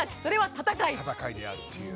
戦いであるという。